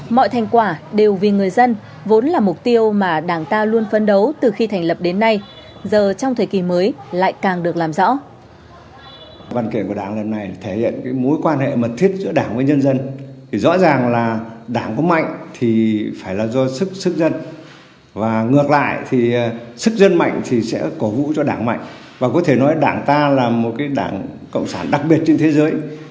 mọi thành quả đều vì người dân vốn là mục tiêu mà đảng ta luôn phấn đấu từ khi thành lập đến nay giờ trong thời kỳ mới lại càng được làm rõ